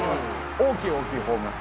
大きい大きいホームラン。